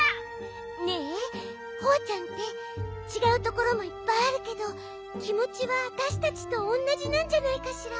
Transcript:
ねえホワちゃんってちがうところもいっぱいあるけどきもちはわたしたちとおんなじなんじゃないかしら。